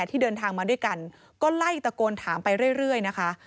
ที่เดินทางมาด้วยกันก็ไล่ตะโกนถามไปเรื่อยนะคะ